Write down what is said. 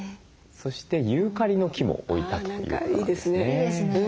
そしてユーカリの木も置いたということなんですね。